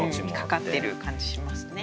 かかってる感じしますね。